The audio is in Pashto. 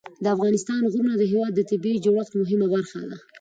د افغانستان غرونه د هېواد د طبیعي جوړښت مهمه برخه ده.